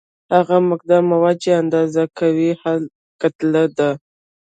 هغه مقدار مواد چې اندازه کوي کتله ده.